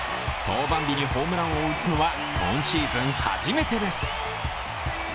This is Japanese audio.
登板日にホームランを打つのは今シーズン初めてです。